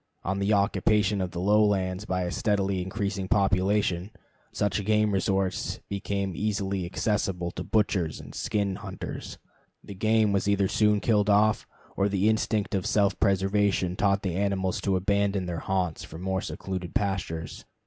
On the occupation of the lowlands by a steadily increasing population, such game resorts became easily accessible to butchers and skin hunters. The game was either soon killed off, or the instinct of self preservation taught the animals to abandon their haunts for more secluded pastures.